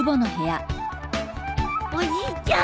おじいちゃん！